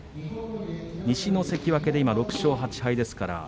西の関脇で６勝８敗です。